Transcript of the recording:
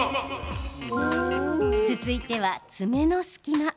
続いては、爪の隙間。